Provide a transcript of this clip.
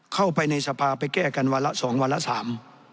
เข้าไปในสภาไปแก้กันวันละสองวันละสาม